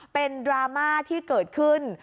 เป็นดราม่าที่เกิดขึ้น